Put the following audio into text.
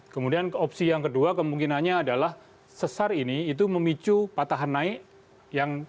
kemudian opsi yang kedua kemungkinannya adalah sesar ini itu memicu patahan naik